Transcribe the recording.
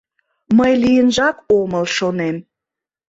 Мый лийынжак омыл, шонем.